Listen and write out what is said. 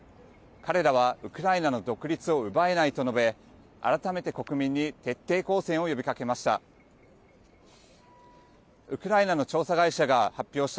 彼らはウクライナの独立を奪えないと述べあらためて国民に徹底抗戦を呼びかけました。